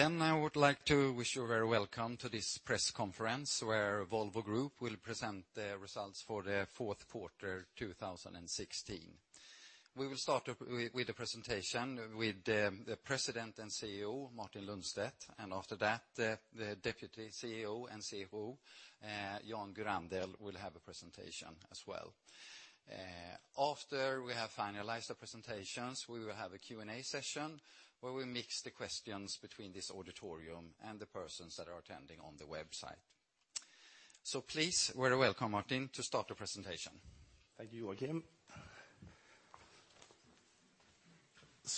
I would like to wish you a very welcome to this press conference where Volvo Group will present their results for their fourth quarter 2016. We will start up with the presentation with the President and CEO, Martin Lundstedt. After that, the Deputy CEO and CFO, Jan Gurander, will have a presentation as well. After we have finalized the presentations, we will have a Q&A session where we mix the questions between this auditorium and the persons that are attending on the website. Please, you're very welcome, Martin, to start the presentation. Thank you, Joakim.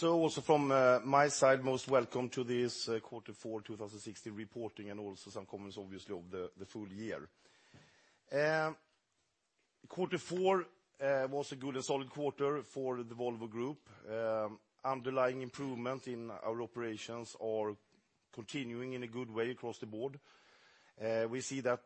Also from my side, most welcome to this Quarter 4 2016 reporting and also some comments, obviously, of the full year. Quarter four was a good and solid quarter for the Volvo Group. Underlying improvement in our operations are continuing in a good way across the board. We see that,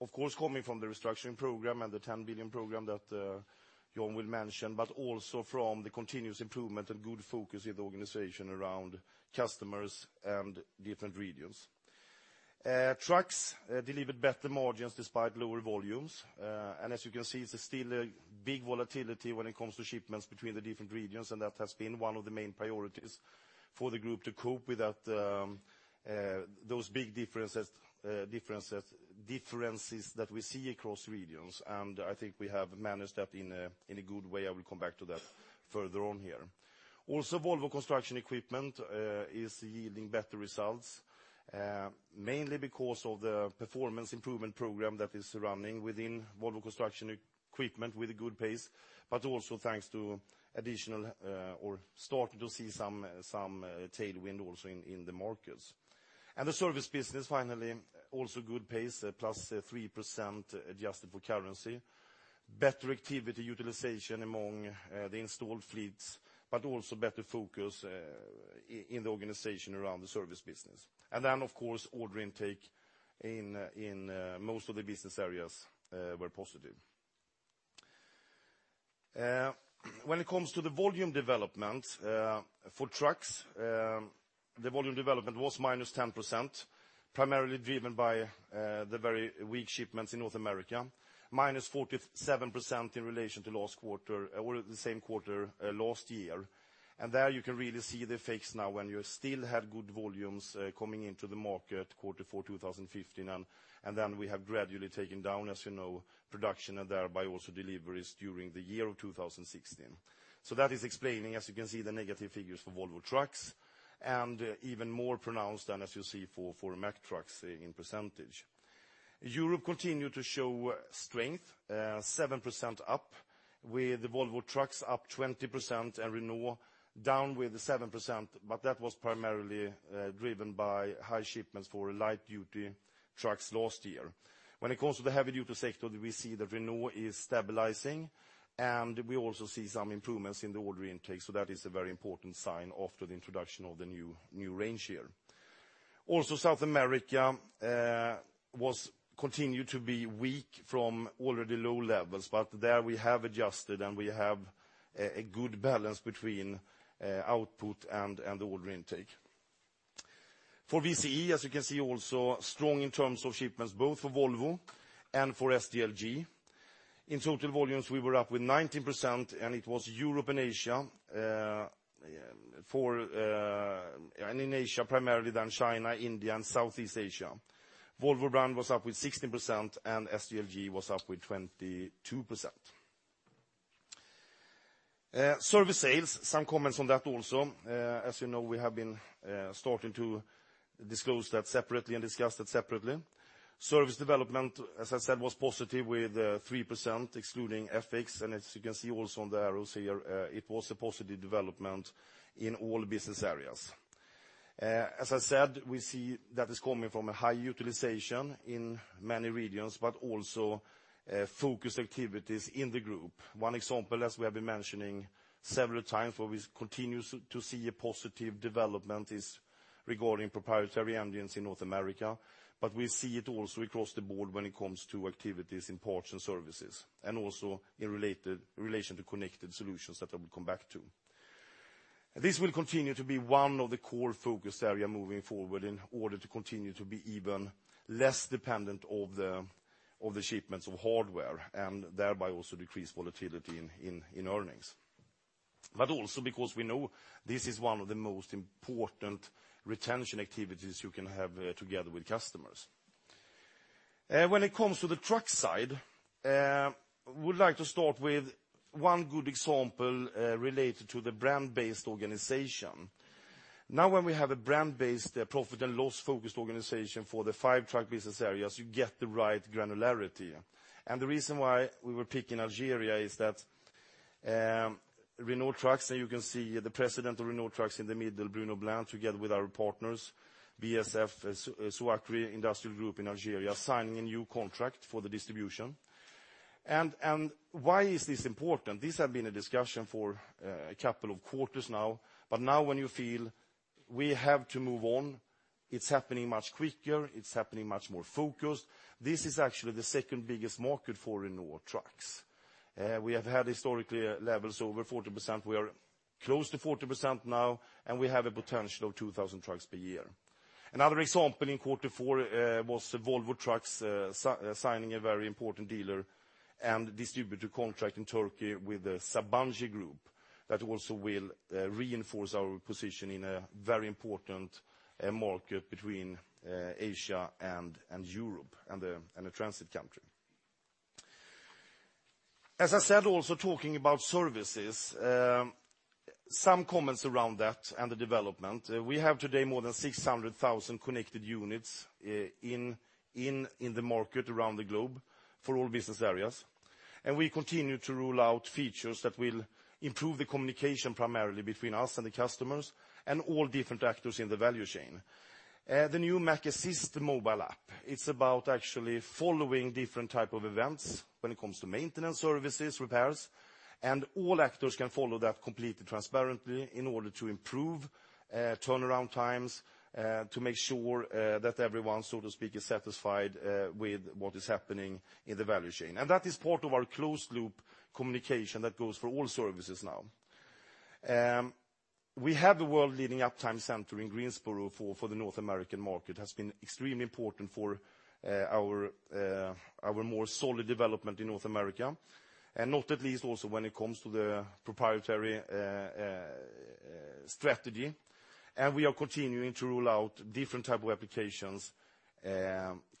of course, coming from the restructuring program and the 10 billion program that Jan will mention, but also from the continuous improvement and good focus in the organization around customers and different regions. Trucks delivered better margins despite lower volumes. As you can see, it's still a big volatility when it comes to shipments between the different regions, and that has been one of the main priorities for the group to cope with those big differences that we see across regions. I think we have managed that in a good way. I will come back to that further on here. Also, Volvo Construction Equipment is yielding better results, mainly because of the Performance Improvement Program that is running within Volvo Construction Equipment with a good pace, but also thanks to starting to see some tailwind also in the markets. The service business, finally, also good pace, plus 3% adjusted for currency. Better activity utilization among the installed fleets, but also better focus in the organization around the service business. Of course, order intake in most of the business areas were positive. When it comes to the volume development for trucks, the volume development was -10%, primarily driven by the very weak shipments in North America, -47% in relation to the same quarter last year. There you can really see the effects now when you still had good volumes coming into the market quarter four 2015, we have gradually taken down, as you know, production and thereby also deliveries during the year of 2016. That is explaining, as you can see, the negative figures for Volvo Trucks and even more pronounced than, as you see, for Mack Trucks in percentage. Europe continued to show strength, 7% up with Volvo Trucks up 20% and Renault down with 7%, but that was primarily driven by high shipments for light duty trucks last year. When it comes to the heavy duty sector, we see that Renault is stabilizing and we also see some improvements in the order intake, that is a very important sign after the introduction of the new range here. South America continued to be weak from already low levels. There we have adjusted and we have a good balance between output and the order intake. For VCE, as you can see, also strong in terms of shipments, both for Volvo and for SDLG. In total volumes, we were up with 19% and it was Europe and Asia, and in Asia primarily China, India, and Southeast Asia. Volvo brand was up with 16% and SDLG was up with 22%. Service sales, some comments on that also. As you know, we have been starting to disclose that separately and discuss that separately. Service development, as I said, was positive with 3%, excluding FX. As you can see also on the arrows here, it was a positive development in all business areas. As I said, we see that is coming from a high utilization in many regions, but also focus activities in the group. One example, as we have been mentioning several times where we continue to see a positive development is regarding proprietary engines in North America, but we see it also across the board when it comes to activities in parts and services and also in relation to connected solutions that I will come back to. This will continue to be one of the core focus area moving forward in order to continue to be even less dependent of the shipments of hardware and thereby also decrease volatility in earnings. Also because we know this is one of the most important retention activities you can have together with customers. When it comes to the truck side, would like to start with one good example related to the brand-based organization. Now when we have a brand-based profit and loss focused organization for the five truck business areas, you get the right granularity. The reason why we were picking Algeria is that Renault Trucks, and you can see the President of Renault Trucks in the middle, Bruno Blin, together with our partners, BSF Souakri Industrial Group in Algeria, signing a new contract for the distribution. Why is this important? This has been a discussion for a couple of quarters now, but now when you feel we have to move on, it's happening much quicker, it's happening much more focused. This is actually the second biggest market for Renault Trucks. We have had historically levels over 40%. We are close to 40% now, and we have a potential of 2,000 trucks per year. Another example in quarter four was Volvo Trucks signing a very important dealer and distributor contract in Turkey with the Sabancı group that also will reinforce our position in a very important market between Asia and Europe, and a transit country. As I said, also talking about services. Some comments around that and the development. We have today more than 600,000 connected units in the market around the globe for all business areas. We continue to roll out features that will improve the communication primarily between us and the customers and all different actors in the value chain. The new Mack ASIST mobile app, it's about actually following different type of events when it comes to maintenance services, repairs, and all actors can follow that completely transparently in order to improve turnaround times, to make sure that everyone, so to speak, is satisfied with what is happening in the value chain. That is part of our closed loop communication that goes for all services now. We have the world-leading Uptime Center in Greensboro for the North American market. Has been extremely important for our more solid development in North America, and not at least also when it comes to the proprietary strategy. We are continuing to roll out different type of applications,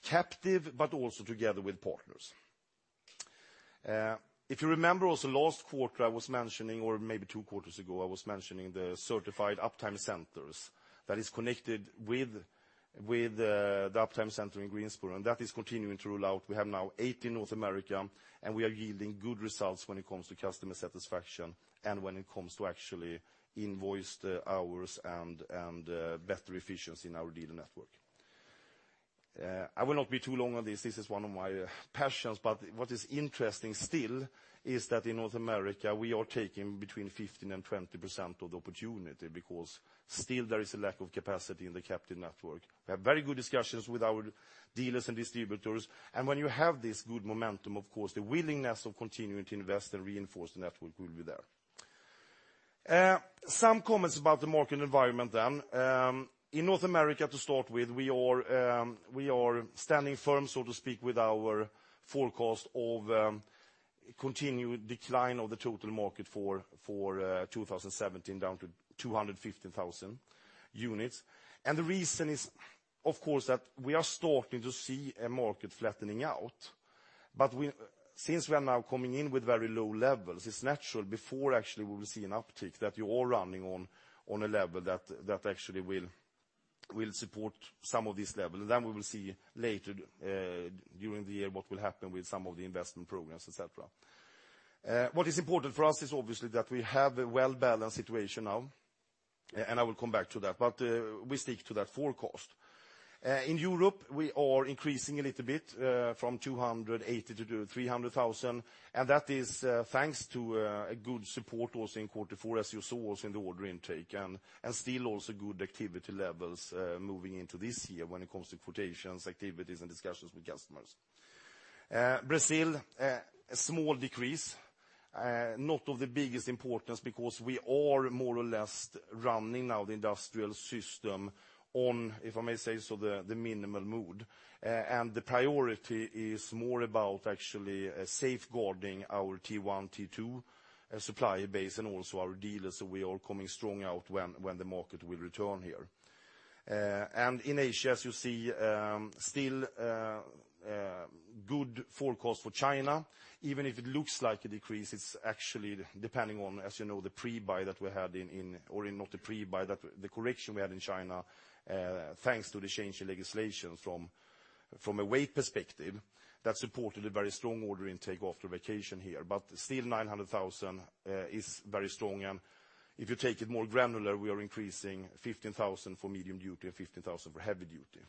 captive, but also together with partners. If you remember also last quarter I was mentioning, or maybe two quarters ago, I was mentioning the certified Uptime Centers that is connected with the Uptime Center in Greensboro, and that is continuing to roll out. We have now eight in North America, and we are yielding good results when it comes to customer satisfaction and when it comes to actually invoiced hours and better efficiency in our dealer network. I will not be too long on this. This is one of my passions, but what is interesting still is that in North America, we are taking between 15% and 20% of the opportunity because still there is a lack of capacity in the captive network. We have very good discussions with our dealers and distributors. When you have this good momentum, of course, the willingness of continuing to invest and reinforce the network will be there. Some comments about the market environment then. In North America, to start with, we are standing firm, so to speak, with our forecast of continued decline of the total market for 2017 down to 250,000 units. The reason is, of course, that we are starting to see a market flattening out. Since we are now coming in with very low levels, it's natural before actually we will see an uptick that you are running on a level that actually will support some of this level. We will see later during the year what will happen with some of the investment programs, et cetera. What is important for us is obviously that we have a well-balanced situation now, and I will come back to that. We stick to that forecast. In Europe, we are increasing a little bit from 280,000 to 300,000, and that is thanks to a good support also in quarter four as you saw also in the order intake, and still also good activity levels moving into this year when it comes to quotations, activities, and discussions with customers. Brazil, a small decrease. Not of the biggest importance because we are more or less running now the industrial system on, if I may say so, the minimal mood. The priority is more about actually safeguarding our T1, T2 supplier base and also our dealers so we are coming strong out when the market will return here. In Asia, as you see, still good forecast for China. Even if it looks like a decrease, it is actually depending on, as you know, the pre-buy that we had or not the pre-buy, the correction we had in China thanks to the change in legislation from a weight perspective that supported a very strong order intake after vacation here. Still, 900,000 is very strong and if you take it more granular, we are increasing 15,000 for medium-duty and 15,000 for heavy-duty.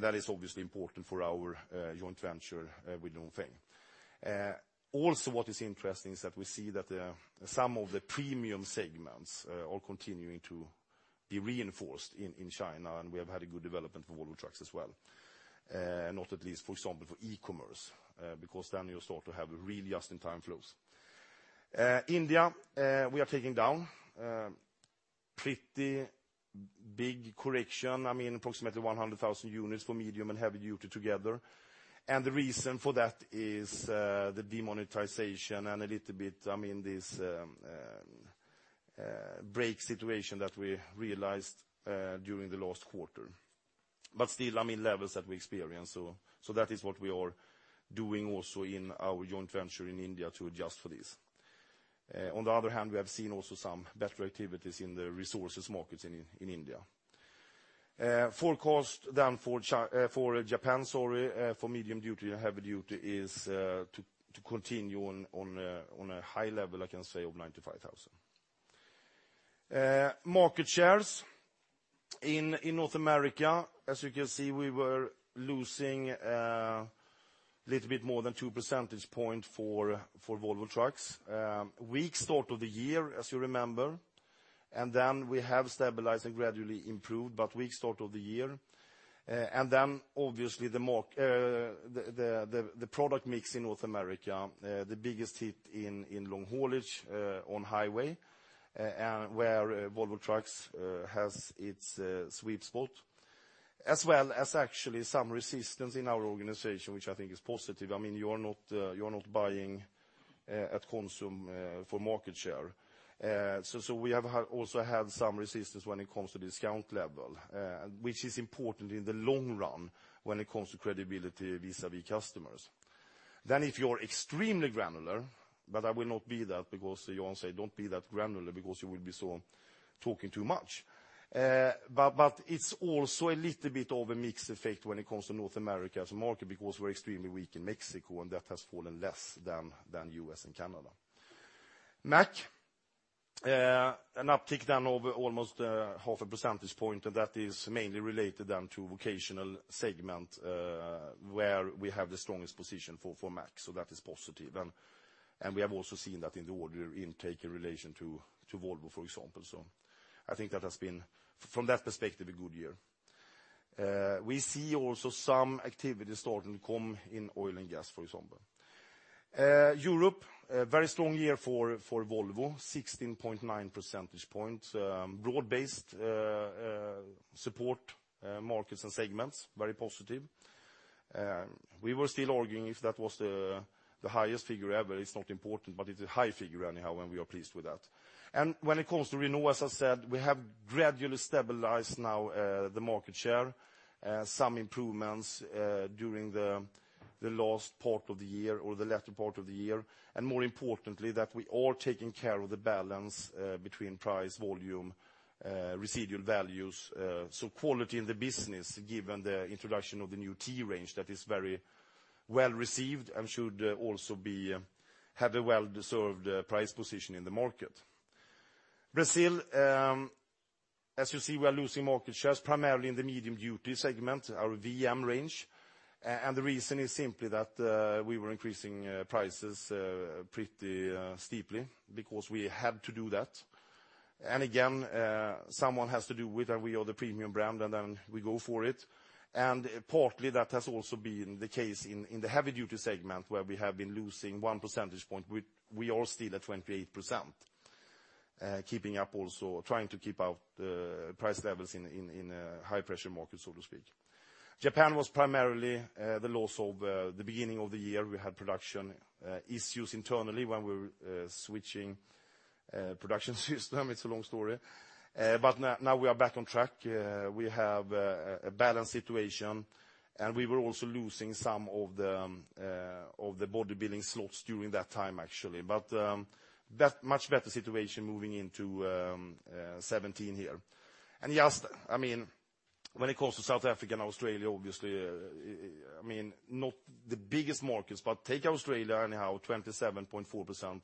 That is obviously important for our joint venture with Dongfeng. Also what is interesting is that we see that some of the premium segments are continuing to be reinforced in China, and we have had a good development for Volvo Trucks as well. Not at least, for example, for e-commerce because then you start to have real just-in-time flows. India, we are taking down. Pretty big correction. Approximately 100,000 units for medium and heavy-duty together. The reason for that is the demonetization and a little bit this break situation that we realized during the last quarter. Still, levels that we experience, so that is what we are doing also in our joint venture in India to adjust for this. On the other hand, we have seen also some better activities in the resources markets in India. Forecast then for Japan, sorry for medium-duty and heavy-duty is to continue on a high level, I can say of 95,000. Market shares in North America. As you can see, we were losing a little bit more than two percentage point for Volvo Trucks. Weak start of the year, as you remember. Then we have stabilized and gradually improved, but weak start of the year. Then obviously the product mix in North America, the biggest hit in long haulage on highway, where Volvo Trucks has its sweet spot, as well as actually some resistance in our organization, which I think is positive. You are not buying at consume for market share. So we have also had some resistance when it comes to discount level, which is important in the long run when it comes to credibility vis-a-vis customers. Then if you are extremely granular, but I will not be that because Jan say, "Don't be that granular because you will be talking too much." But it is also a little bit of a mixed effect when it comes to North America as a market because we are extremely weak in Mexico, and that has fallen less than U.S. and Canada. Mack, an uptick then of almost half a percentage point. That is mainly related then to vocational segment, where we have the strongest position for Mack, so that is positive. We have also seen that in the order intake in relation to Volvo, for example. So I think that has been, from that perspective, a good year. We see also some activity starting to come in oil and gas, for example. Europe, a very strong year for Volvo, 16.9 percentage points. Broad-based support markets and segments, very positive. We were still arguing if that was the highest figure ever. It is not important, but it is a high figure anyhow, and we are pleased with that. When it comes to Renault, as I said, we have gradually stabilized now the market share. Some improvements during the last part of the year or the latter part of the year, and more importantly, that we are taking care of the balance between price, volume, residual values. Quality in the business, given the introduction of the new T range that is very well received and should also have a well-deserved price position in the market. Brazil, as you see, we are losing market shares, primarily in the medium duty segment, our VM range. The reason is simply that we were increasing prices pretty steeply because we had to do that. Again, someone has to do with, and we are the premium brand, and then we go for it. Partly that has also been the case in the heavy duty segment where we have been losing one percentage point. We are still at 28%, trying to keep up the price levels in a high pressure market, so to speak. Japan was primarily the loss of the beginning of the year. We had production issues internally when we were switching production system. It's a long story. Now we are back on track. We have a balanced situation, and we were also losing some of the bodybuilding slots during that time, actually. Much better situation moving into 2017 here. Yes, when it comes to South Africa and Australia, obviously, not the biggest markets, but take Australia anyhow, 27.4%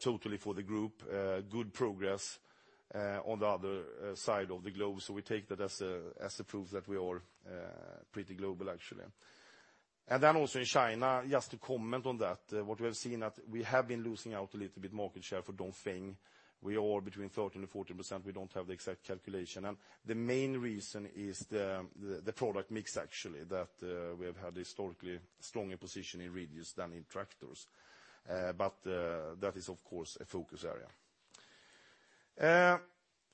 totally for the group. Good progress on the other side of the globe. We take that as a proof that we are pretty global, actually. Then also in China, just to comment on that, what we have seen that we have been losing out a little bit market share for Dongfeng. We are between 30% and 40%. We don't have the exact calculation. The main reason is the product mix, actually, that we have had historically stronger position in radius than in tractors. That is, of course, a focus area.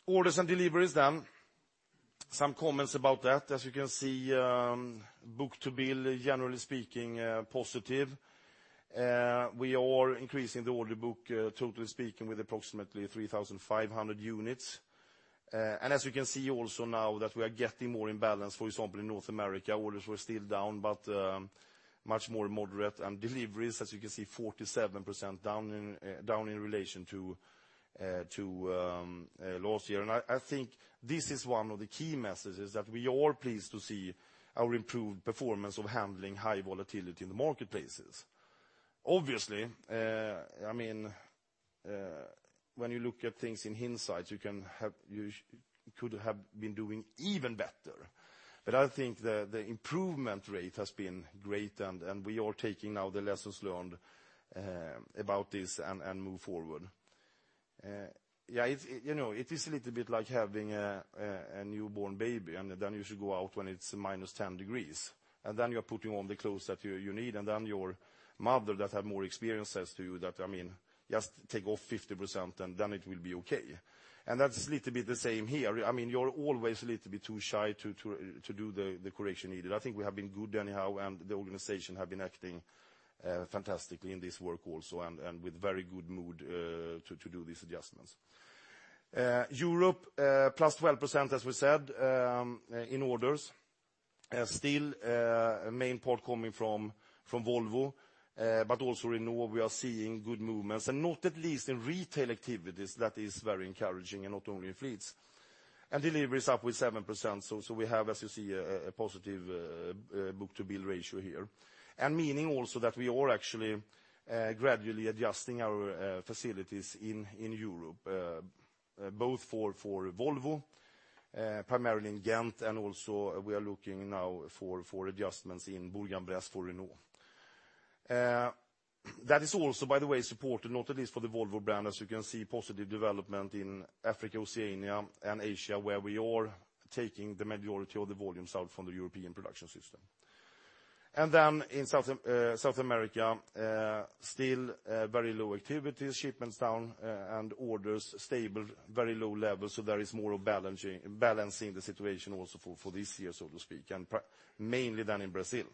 Orders and deliveries then. Some comments about that. As you can see, book-to-bill, generally speaking, positive. We are increasing the order book, totally speaking, with approximately 3,500 units. As you can see also now that we are getting more in balance. For example, in North America, orders were still down but much more moderate. Deliveries, as you can see, 47% down in relation to last year. I think this is one of the key messages that we are pleased to see our improved performance of handling high volatility in the marketplaces. Obviously, when you look at things in hindsight, you could have been doing even better. I think the improvement rate has been great, and we are taking now the lessons learned about this and move forward. It is a little bit like having a newborn baby, and then you should go out when it's -10 degrees. Then you're putting on the clothes that you need, and then your mother that have more experience says to you that, "Just take off 50%, and then it will be okay." That's a little bit the same here. You're always a little bit too shy to do the correction needed. I think we have been good anyhow, the organization have been acting fantastically in this work also with very good mood to do these adjustments. Europe, +12%, as we said, in orders. Still a main part coming from Volvo, also Renault we are seeing good movements. Not at least in retail activities, that is very encouraging and not only in fleets. Deliveries up with 7%, we have, as you see, a positive book-to-bill ratio here. Meaning also that we are actually gradually adjusting our facilities in Europe, both for Volvo, primarily in Ghent, also we are looking now for adjustments in Boulogne-Billancourt, Renault. That is also, by the way, supported not at least for the Volvo brand, as you can see, positive development in Africa, Oceania, and Asia, where we are taking the majority of the volumes out from the European production system. In South America, still very low activity, shipments down orders stable, very low levels. There is more of balancing the situation also for this year, so to speak, mainly than in Brazil.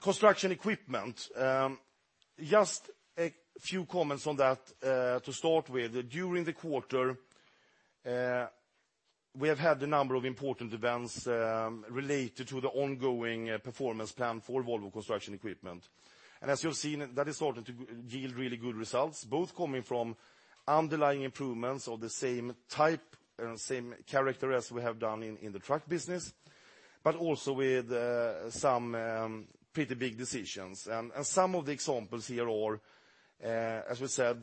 Construction Equipment. Just a few comments on that to start with. During the quarter, we have had a number of important events related to the ongoing performance plan for Volvo Construction Equipment. As you have seen, that is starting to yield really good results, both coming from underlying improvements of the same type and same character as we have done in the truck business, also with some pretty big decisions. Some of the examples here are, as we said,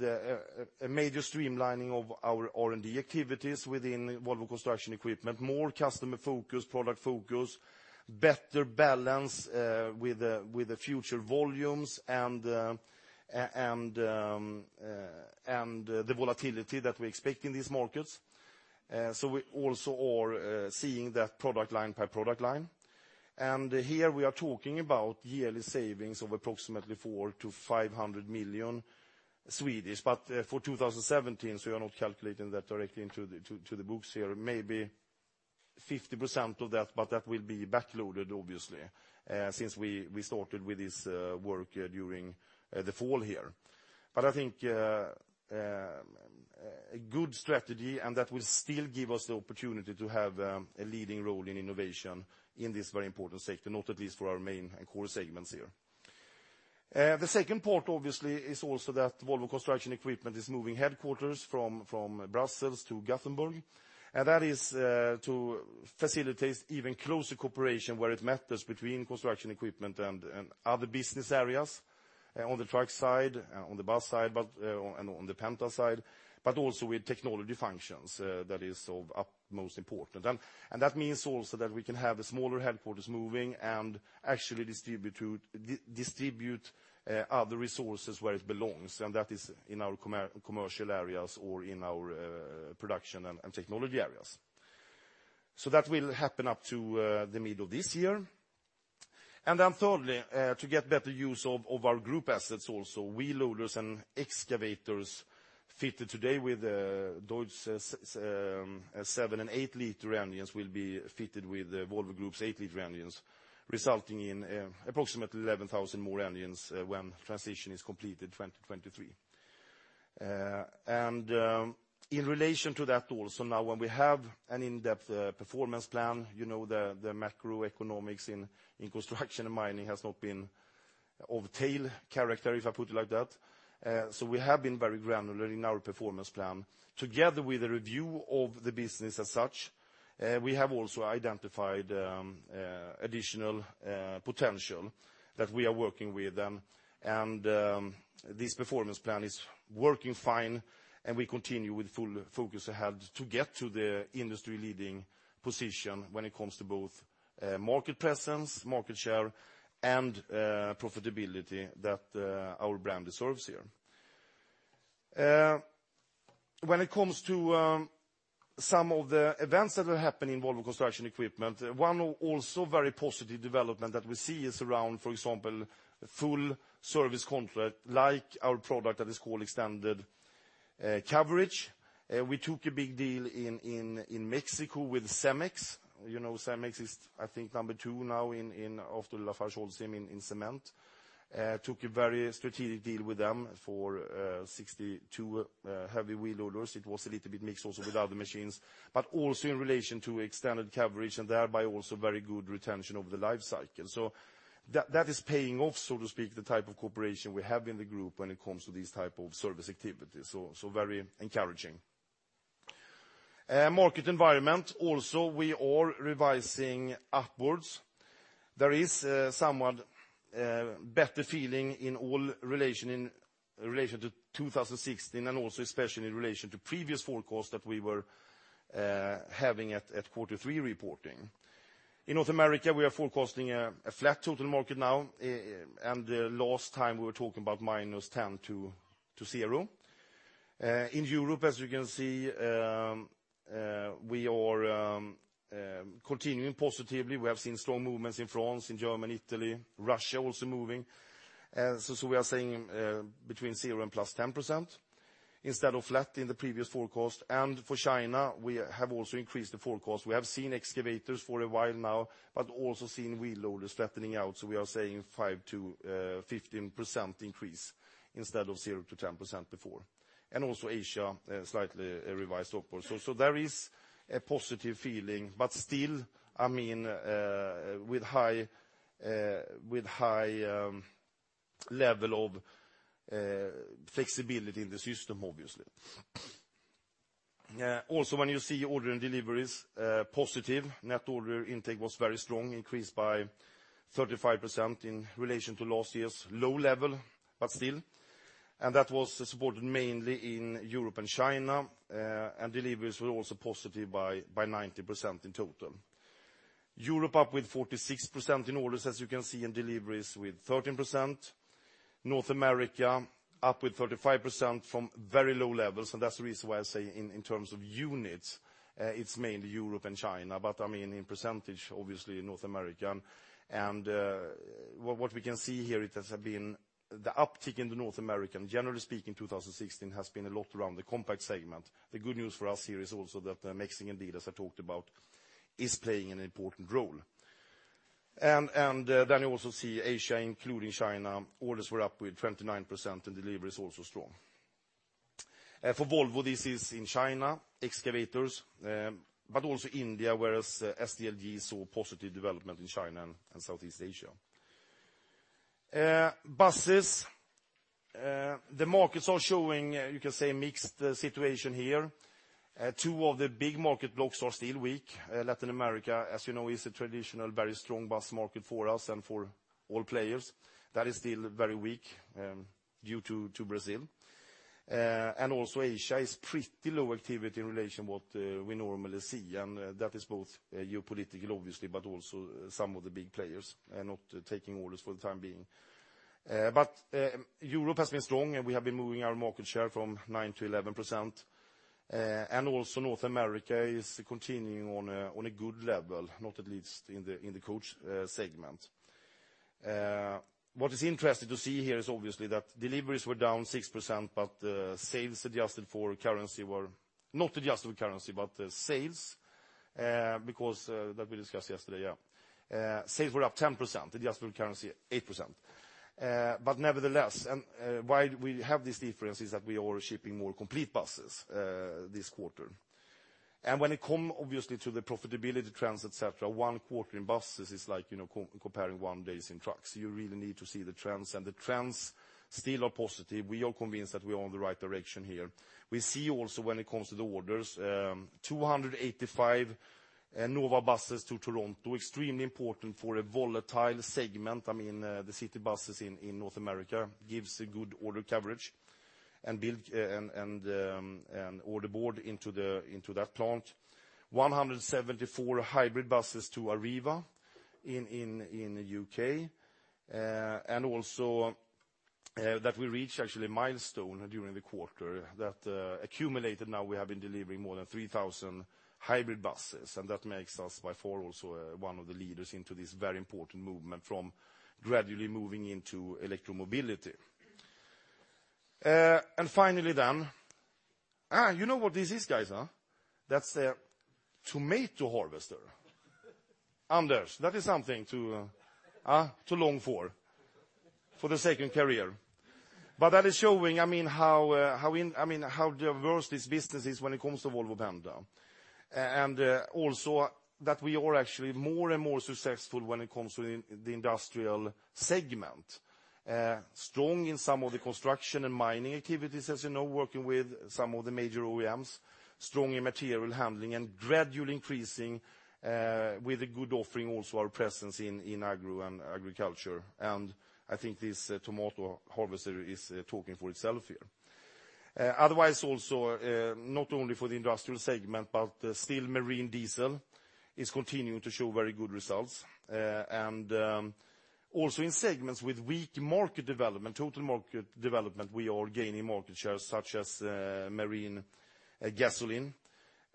a major streamlining of our R&D activities within Volvo Construction Equipment, more customer focus, product focus, better balance with the future volumes and the volatility that we expect in these markets. We also are seeing that product line by product line. Here we are talking about yearly savings of approximately 4 million-500 million. For 2017, we are not calculating that directly into the books here. Maybe 50% of that will be backloaded obviously, since we started with this work during the fall here. I think a good strategy, that will still give us the opportunity to have a leading role in innovation in this very important sector, not at least for our main and core segments here. The second part, obviously, is also that Volvo Construction Equipment is moving headquarters from Brussels to Gothenburg, that is to facilitate even closer cooperation where it matters between Construction Equipment and other business areas on the truck side, on the bus side, on the Penta side, also with technology functions that is of utmost important. That means also that we can have a smaller headquarters moving actually distribute other resources where it belongs, that is in our commercial areas or in our production and technology areas. That will happen up to the middle of this year. Thirdly, to get better use of our group assets also, wheel loaders and excavators fitted today with Deutz seven-liter and eight-liter engines will be fitted with Volvo Group's eight-liter engines, resulting in approximately 11,000 more engines when transition is completed 2023. In relation to that also, now when we have an in-depth performance plan, you know the macroeconomics in construction and mining has not been of tail character, if I put it like that. We have been very granular in our performance plan. Together with a review of the business as such, we have also identified additional potential that we are working with them. This performance plan is working fine, and we continue with full focus ahead to get to the industry-leading position when it comes to both market presence, market share, and profitability that our brand deserves here. When it comes to some of the events that will happen in Volvo Construction Equipment, one also very positive development that we see is around, for example, full service contract like our product that is called Extended Coverage. We took a big deal in Mexico with Cemex. Cemex is, I think, number two now after LafargeHolcim in cement. Took a very strategic deal with them for 62 heavy wheel loaders. It was a little bit mixed also with other machines, but also in relation to Extended Coverage and thereby also very good retention over the life cycle. That is paying off, so to speak, the type of cooperation we have in the group when it comes to these type of service activities. Very encouraging. Market environment also we are revising upwards. There is somewhat better feeling in all relation to 2016 and also especially in relation to previous forecast that we were having at quarter three reporting. In North America, we are forecasting a flat total market now, and last time we were talking about -10% to 0%. In Europe, as you can see, we are continuing positively. We have seen strong movements in France, in Germany, Italy, Russia also moving. We are saying between 0 and +10% instead of flat in the previous forecast. For China, we have also increased the forecast. We have seen excavators for a while now, but also seen wheel loaders flattening out. We are saying 5%-15% increase instead of 0%-10% before. Also Asia, slightly revised upwards. There is a positive feeling, but still with high level of flexibility in the system, obviously. Also when you see order and deliveries, positive. Net order intake was very strong, increased by 35% in relation to last year's low level, but still. That was supported mainly in Europe and China, and deliveries were also positive by 19% in total. Europe up with 46% in orders, as you can see, and deliveries with 13%. North America up with 35% from very low levels, and that's the reason why I say in terms of units, it's mainly Europe and China. In percentage, obviously North America. What we can see here, the uptick in the North American, generally speaking, 2016 has been a lot around the compact segment. The good news for us here is also that Mexican dealers I talked about is playing an important role. Then you also see Asia, including China, orders were up with 29% and deliveries also strong. For Volvo, this is in China, excavators, but also India, whereas SDLG saw positive development in China and Southeast Asia. Buses. The markets are showing, you can say, mixed situation here. Two of the big market blocks are still weak. Latin America, as you know, is a traditional, very strong bus market for us and for all players. That is still very weak due to Brazil. Asia is pretty low activity in relation what we normally see, and that is both geopolitical, obviously, but also some of the big players are not taking orders for the time being. Europe has been strong, and we have been moving our market share from 9% to 11%. North America is continuing on a good level, not at least in the coach segment. What is interesting to see here is obviously that deliveries were down 6%, not adjusted for currency, sales, because that we discussed yesterday. Sales were up 10%, adjusted for currency, 8%. Nevertheless, why we have this difference is that we are shipping more complete buses this quarter. When it come, obviously, to the profitability trends, et cetera, one quarter in buses is like comparing one days in trucks. You really need to see the trends, the trends still are positive. We are convinced that we are on the right direction here. We see also when it comes to the orders, 285 Nova Bus to Toronto, extremely important for a volatile segment. The city buses in North America gives a good order coverage and order board into that plant. 174 hybrid buses to Arriva in U.K. Also that we reach actually a milestone during the quarter that accumulated now we have been delivering more than 3,000 hybrid buses, that makes us by far also one of the leaders into this very important movement from gradually moving into electro-mobility. Finally. You know what this is, guys, huh? That's a tomato harvester. Anders, that is something to long for the second career. That is showing how diverse this business is when it comes to Volvo Penta. Also that we are actually more and more successful when it comes to the industrial segment. Strong in some of the construction and mining activities, as you know, working with some of the major OEMs, strong in material handling and gradually increasing with a good offering also our presence in agro and agriculture. I think this tomato harvester is talking for itself here. Otherwise also, not only for the industrial segment, but still marine diesel is continuing to show very good results. Also in segments with weak market development, total market development, we are gaining market share, such as marine gasoline.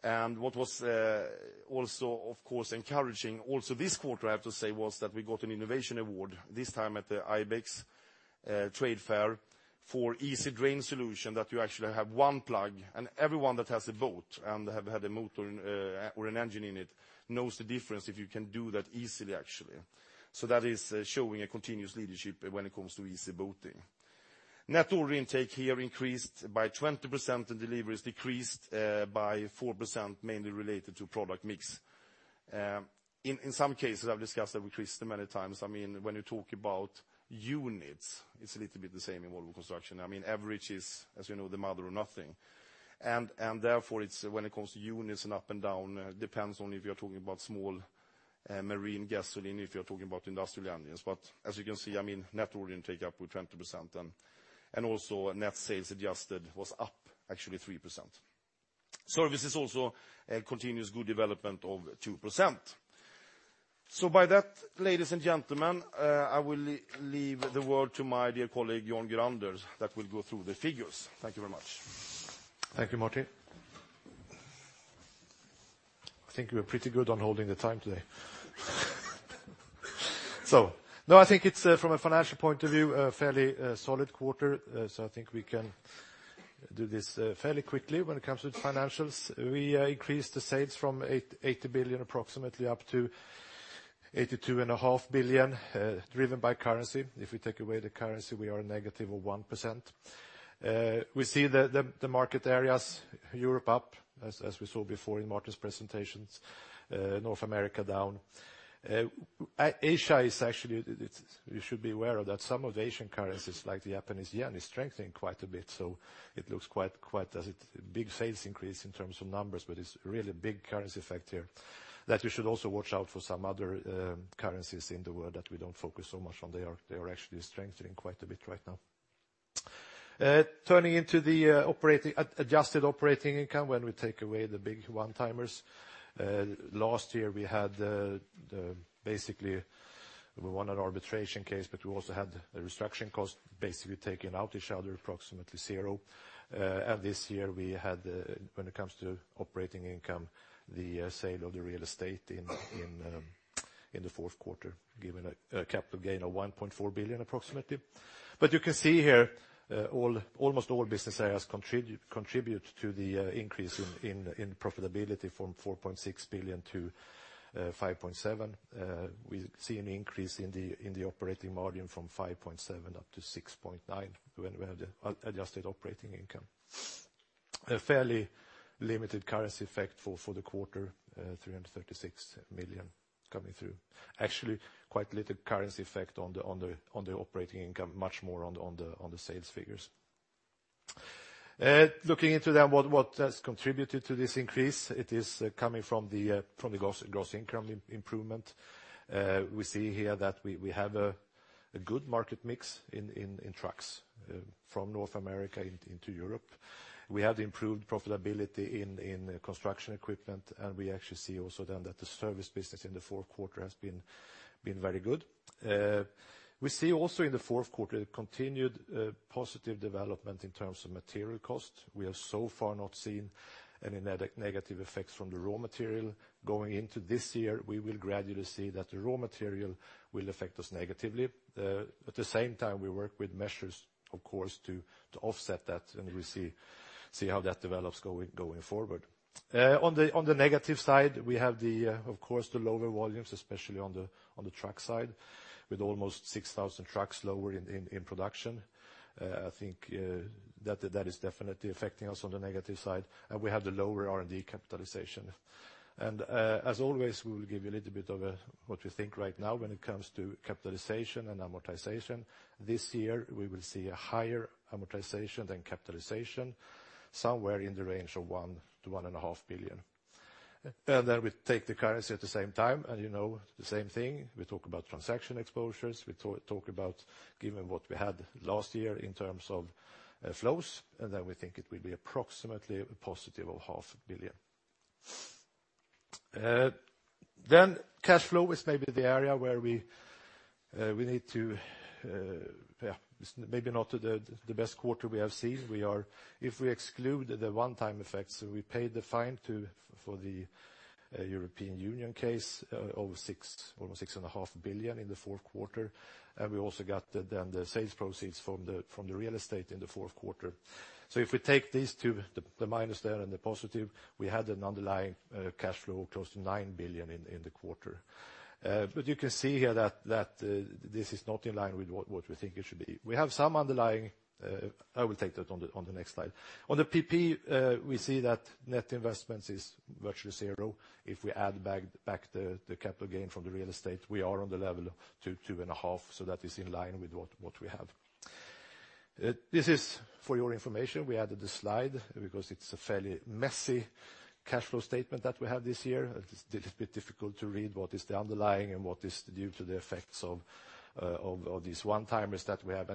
What was also, of course, encouraging also this quarter, I have to say, was that we got an innovation award this time at the IBEX Trade Fair for Easy Drain solution that you actually have one plug and everyone that has a boat and have had a motor or an engine in it knows the difference if you can do that easily, actually. That is showing a continuous leadership when it comes to easy boating. Net order intake here increased by 20% deliveries decreased by 4%, mainly related to product mix. In some cases, I've discussed that with Christer many times. When you talk about units, it's a little bit the same in Volvo Construction. Average is, as you know, the mother of nothing. Therefore, when it comes to units and up and down, depends on if you are talking about small marine gasoline, if you're talking about industrial engines. As you can see, net order intake up with 20%, and also net sales adjusted was up actually 3%. Service is also a continuous good development of 2%. By that, ladies and gentlemen, I will leave the word to my dear colleague, Jan Gurander, that will go through the figures. Thank you very much. Thank you, Martin. I think we're pretty good on holding the time today. No, I think it's from a financial point of view, a fairly solid quarter. I think we can do this fairly quickly when it comes with financials. We increased the sales from 80 billion, approximately up to 82.5 billion, driven by currency. If we take away the currency, we are negative of 1%. We see the market areas, Europe up, as we saw before in Martin's presentations, North America down. Asia is actually, you should be aware of that some of the Asian currencies, like the Japanese yen, is strengthening quite a bit. It looks quite as a big sales increase in terms of numbers, but it's really a big currency effect here. That you should also watch out for some other currencies in the world that we don't focus so much on. They are actually strengthening quite a bit right now. Turning into the adjusted operating income, when we take away the big one-timers. Last year we won an arbitration case, but we also had a restructuring cost basically taking out each other, approximately zero. This year we had, when it comes to operating income, the sale of the real estate in the fourth quarter, giving a capital gain of 1.4 billion approximately. You can see here almost all business areas contribute to the increase in profitability from 4.6 billion to 5.7 billion. We see an increase in the operating margin from 5.7% up to 6.9% when we have the adjusted operating income. A fairly limited currency effect for the quarter, 336 million coming through. Actually, quite little currency effect on the operating income, much more on the sales figures. Looking into, then, what has contributed to this increase, it is coming from the gross income improvement. We see here that we have a good market mix in trucks from North America into Europe. We have the improved profitability in Volvo Construction Equipment, and we actually see also then that the service business in the fourth quarter has been very good. We see also in the fourth quarter a continued positive development in terms of material cost. We have so far not seen any negative effects from the raw material. Going into this year, we will gradually see that the raw material will affect us negatively. At the same time, we work with measures, of course, to offset that, and we see how that develops going forward. On the negative side, we have, of course, the lower volumes, especially on the truck side, with almost 6,000 trucks lower in production. I think that is definitely affecting us on the negative side. We have the lower R&D capitalization. As always, we will give you a little bit of what we think right now when it comes to capitalization and amortization. This year, we will see a higher amortization than capitalization, somewhere in the range of 1 billion-1.5 billion. We take the currency at the same time. You know the same thing. We talk about transaction exposures. We talk about given what we had last year in terms of flows. We think it will be approximately a positive of half a billion SEK. Cash flow is maybe the area where we need to. Maybe not the best quarter we have seen. If we exclude the one-time effects, we paid the fine for the European Union case, almost 6.5 billion in the fourth quarter. We also got then the sales proceeds from the real estate in the fourth quarter. If we take these two, the minus there and the positive, we had an underlying cash flow close to 9 billion in the quarter. You can see here that this is not in line with what we think it should be. I will take that on the next slide. On the PP&E, we see that net investment is virtually zero. If we add back the capital gain from the real estate, we are on the level of 2 billion, SEK 2.5 billion, so that is in line with what we have. This is for your information. We added this slide because it is a fairly messy cash flow statement that we have this year. It is a bit difficult to read what is the underlying and what is due to the effects of these one-timers that we have.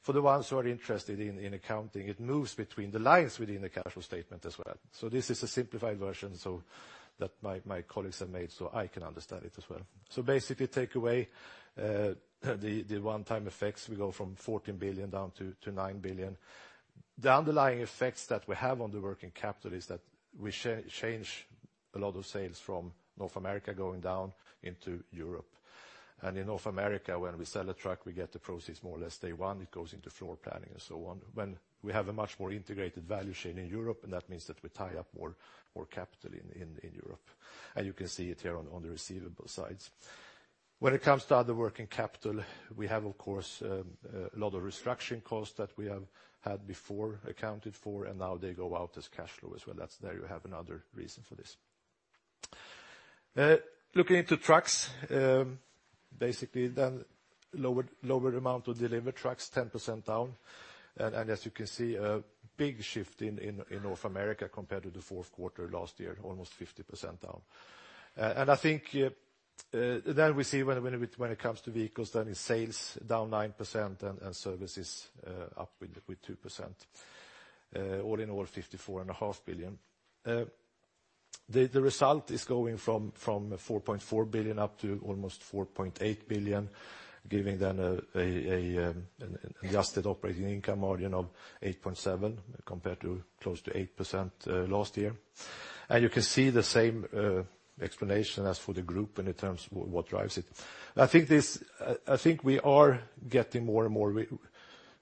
For the ones who are interested in accounting, it moves between the lines within the cash flow statement as well. This is a simplified version that my colleagues have made so I can understand it as well. Basically, take away the one-time effects. We go from 14 billion down to 9 billion. The underlying effects that we have on the working capital is that we change a lot of sales from North America going down into Europe. In North America, when we sell a truck, we get the proceeds more or less day one. It goes into floor planning and so on. When we have a much more integrated value chain in Europe, that means that we tie up more capital in Europe. You can see it here on the receivable sides. When it comes to other working capital, we have, of course, a lot of restructuring costs that we have had before accounted for. Now they go out as cash flow as well. There you have another reason for this. Looking into trucks, basically, then lower amount of delivered trucks, 10% down. As you can see, a big shift in North America compared to the fourth quarter last year, almost 50% down. I think then we see when it comes to vehicles, then it is sales down 9% and services up with 2%. All in all, 54.5 billion. The result is going from 4.4 billion up to almost 4.8 billion, giving an adjusted operating income margin of 8.7% compared to close to 8% last year. You can see the same explanation as for the group in terms of what drives it. I think we are getting more and more, you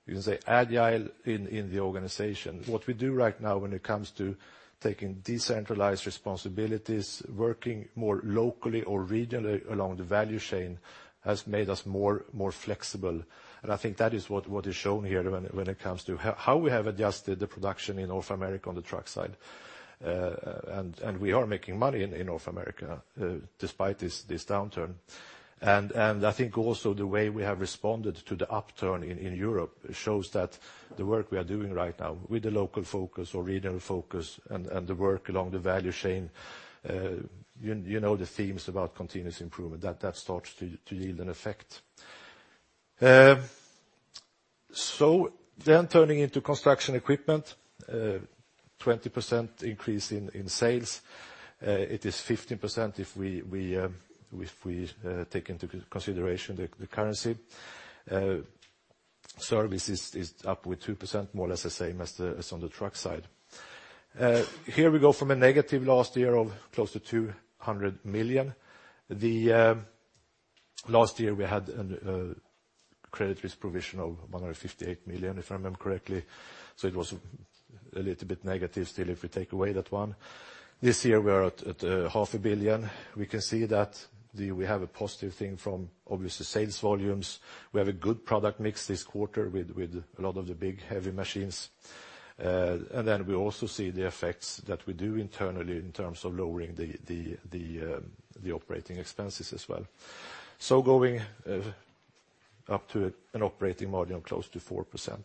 can say, agile in the organization. What we do right now when it comes to taking decentralized responsibilities, working more locally or regionally along the value chain, has made us more flexible. I think that is what is shown here when it comes to how we have adjusted the production in North America on the truck side. We are making money in North America despite this downturn. I think also the way we have responded to the upturn in Europe shows that the work we are doing right now with the local focus or regional focus and the work along the value chain, you know the themes about continuous improvement, that starts to yield an effect. Turning into Construction Equipment, 20% increase in sales. It is 15% if we take into consideration the currency. Services is up with 2%, more or less the same as on the truck side. Here we go from a negative last year of close to 200 million. Last year we had a credit risk provision of 158 million, if I remember correctly, so it was a little bit negative still if we take away that one. This year we are at half a billion. We can see that we have a positive thing from, obviously, sales volumes. We have a good product mix this quarter with a lot of the big, heavy machines. We also see the effects that we do internally in terms of lowering the operating expenses as well. Going up to an operating margin of close to 4%.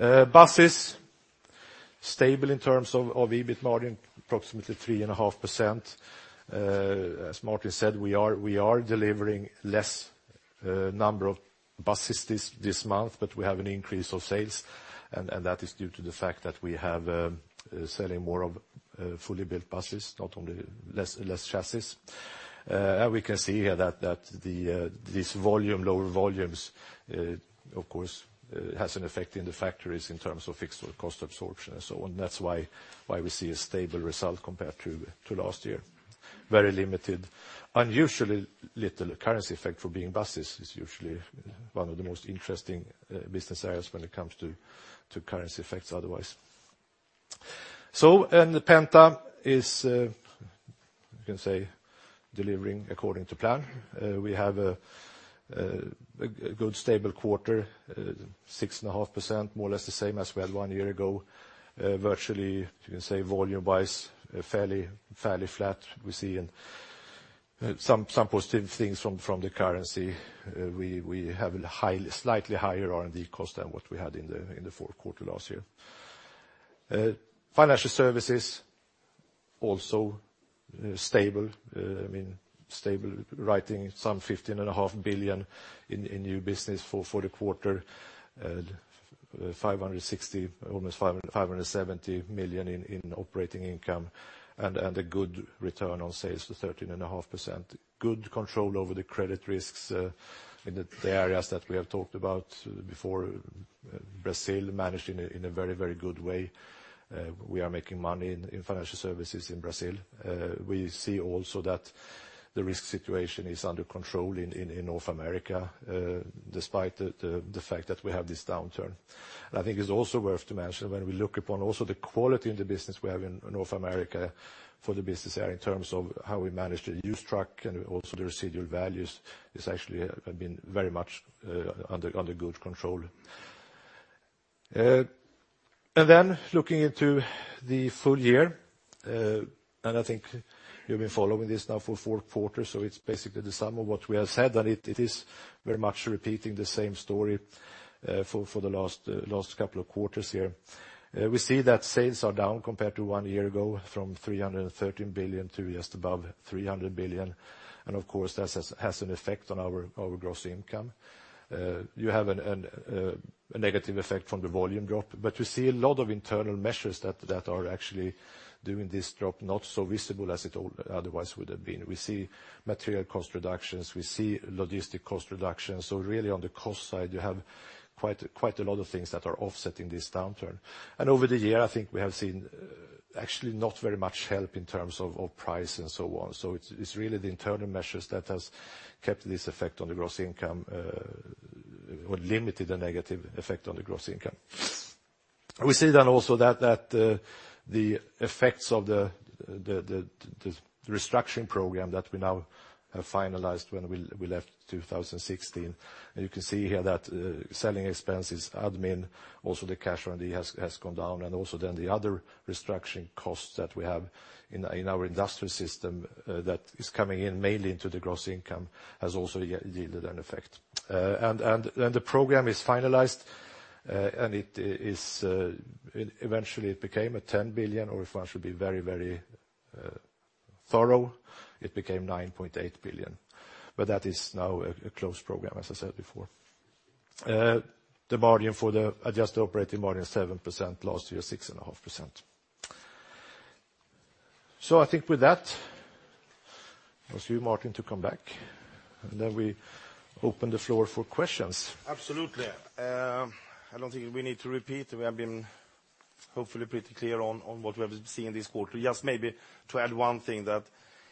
Buses, stable in terms of EBIT margin, approximately 3.5%. As Martin said, we are delivering less number of buses this month, but we have an increase of sales, and that is due to the fact that we have selling more of fully built buses, less chassis. We can see here that these lower volumes, of course, has an effect in the factories in terms of fixed cost absorption and so on. That's why we see a stable result compared to last year. Very limited. Unusually little currency effect for being buses, is usually one of the most interesting business areas when it comes to currency effects otherwise. The Penta is, you can say, delivering according to plan. We have a good stable quarter, 6.5%, more or less the same as we had one year ago. Virtually, you can say volume wise, fairly flat. We see some positive things from the currency. We have a slightly higher R&D cost than what we had in the fourth quarter last year. Financial Services, also stable. Stable, writing some 15.5 billion in new business for the quarter, 560 million, almost 570 million in operating income and a good return on sales for 13.5%. Good control over the credit risks in the areas that we have talked about before. Brazil managed in a very good way. We are making money in financial services in Brazil. We see also that the risk situation is under control in North America, despite the fact that we have this downturn. I think it's also worth to mention when we look upon also the quality in the business we have in North America for the business area in terms of how we manage the used truck and also the residual values, it's actually been very much under good control. Looking into the full year, I think you've been following this now for four quarters, so it's basically the sum of what we have said, and it is very much repeating the same story for the last couple of quarters here. We see that sales are down compared to one year ago from 313 billion to just above 300 billion. Of course, that has an effect on our gross income. You have a negative effect from the volume drop, but you see a lot of internal measures that are actually doing this drop, not so visible as it all otherwise would have been. We see material cost reductions. We see logistic cost reductions. Really on the cost side, you have quite a lot of things that are offsetting this downturn. Over the year, I think we have seen actually not very much help in terms of price and so on. It's really the internal measures that has kept this effect on the gross income or limited the negative effect on the gross income. We see then also that the effects of the restructuring program that we now have finalized when we left 2016. You can see here that selling expenses, Admin, also the cash R&D has gone down. Also then the other restructuring costs that we have in our industrial system that is coming in mainly into the gross income has also yielded an effect. The program is finalized, and eventually it became a 10 billion, or if I should be very thorough, it became 9.8 billion. That is now a closed program, as I said before. The margin for the adjusted operating margin, 7%, last year, 6.5%. I think with that, it's you, Martin, to come back, and then we open the floor for questions. Absolutely. I don't think we need to repeat. We have been hopefully pretty clear on what we have seen this quarter. Just maybe to add one thing, that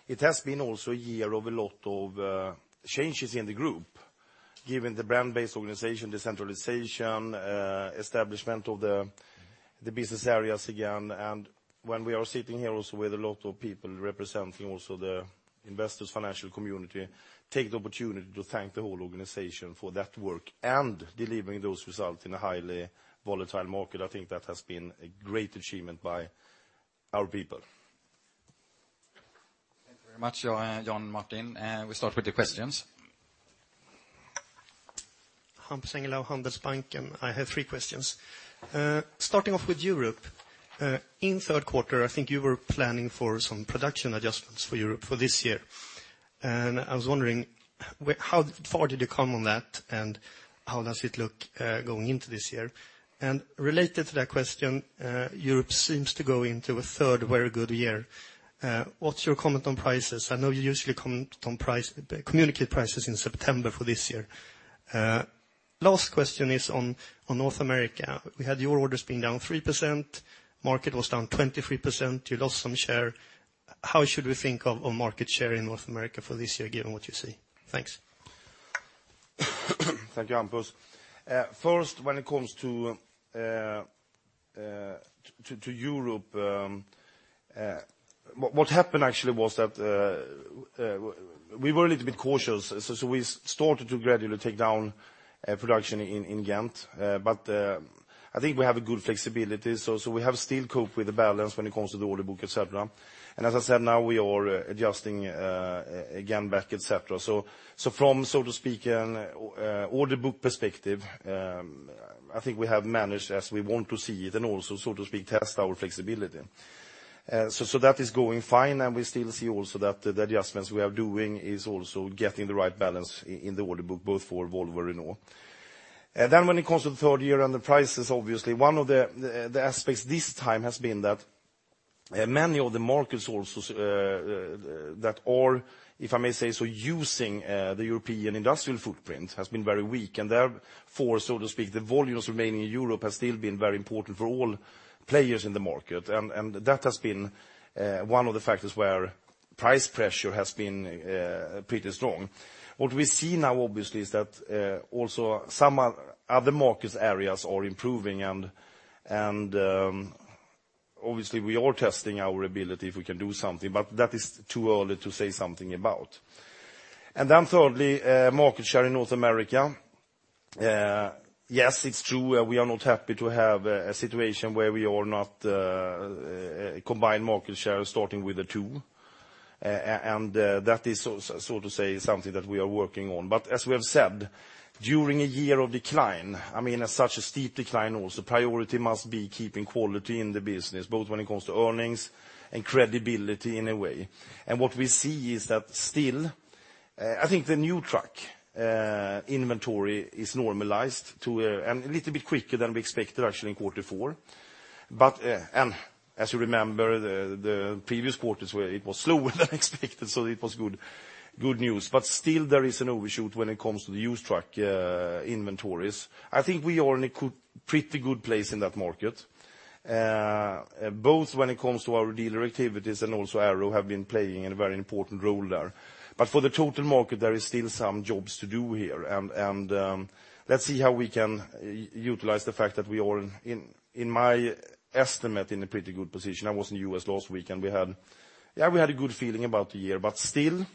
it has been also a year of a lot of changes in the group, given the brand-based organization, decentralization, establishment of the business areas again. When we are sitting here also with a lot of people representing also the investors, financial community, take the opportunity to thank the whole organization for that work and delivering those results in a highly volatile market. I think that has been a great achievement by our people. Thank you very much, Jan, Martin. We start with the questions. Hampus Engellau, Handelsbanken. I have three questions. Starting off with Europe. In third quarter, I think you were planning for some production adjustments for Europe for this year. I was wondering, how far did you come on that, and how does it look going into this year? Related to that question, Europe seems to go into a third very good year. What's your comment on prices? I know you usually communicate prices in September for this year. Last question is on North America. We had your orders being down 3%, market was down 23%, you lost some share. How should we think of market share in North America for this year, given what you see? Thanks. Thank you, Hampus. First, when it comes to Europe, what happened actually was that we were a little bit cautious, we started to gradually take down production in Ghent. I think we have a good flexibility, we have still coped with the balance when it comes to the order book, et cetera. As I said, now we are adjusting again back, et cetera. From an order book perspective, I think we have managed as we want to see it, also test our flexibility. That is going fine, we still see also that the adjustments we are doing is also getting the right balance in the order book, both for Volvo and Renault. When it comes to the third year and the prices, obviously one of the aspects this time has been that many of the markets also that are, if I may say so, using the European industrial footprint has been very weak. Therefore, the volumes remaining in Europe has still been very important for all players in the market. That has been one of the factors where price pressure has been pretty strong. What we see now, obviously, is that also some other market areas are improving and obviously we are testing our ability if we can do something, but that is too early to say something about. Thirdly, market share in North America. Yes, it is true, we are not happy to have a situation where we are not a combined market share starting with a 2. That is something that we are working on. As we have said, during a year of decline, such a steep decline also, priority must be keeping quality in the business, both when it comes to earnings and credibility in a way. What we see is that still, I think the new truck inventory is normalized to a little bit quicker than we expected, actually, in Q4. As you remember, the previous quarters where it was slower than expected, so it was good news. Still there is an overshoot when it comes to the used truck inventories. I think we are in a pretty good place in that market, both when it comes to our dealer activities and also Arrow have been playing a very important role there. For the total market, there is still some jobs to do here. Let's see how we can utilize the fact that we are, in my estimate, in a pretty good position. I was in the U.S. last week and we had a good feeling about the year, but still